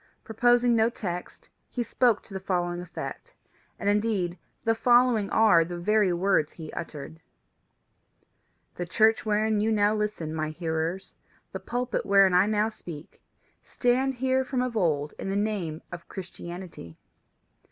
Preposing no text, he spoke to the following effect, and indeed the following are of the very words he uttered: "The church wherein you now listen, my hearers, the pulpit wherein I now speak, stand here from of old in the name of Christianity.